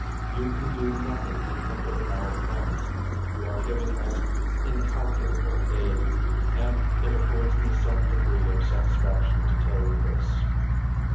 You can do nothing to hinder our plans: you are giving us incalculable aid: and it affords me some degree of satisfaction to tell you this.